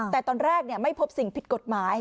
แต่ตอนแรกไม่พบสิ่งผิดกฎหมาย